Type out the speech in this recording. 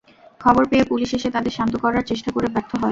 খবর পেয়ে পুলিশ এসে তাঁদের শান্ত করার চেষ্টা করে ব্যর্থ হয়।